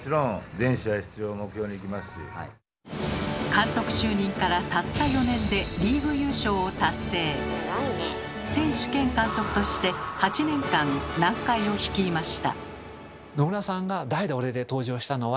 監督就任からたった４年で選手兼監督として８年間南海を率いました。